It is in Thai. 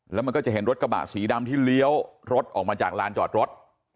แล้วมันก็จะเห็นรถกระบะสีดำที่เลี้ยวรถออกมาจากลานจอดรถ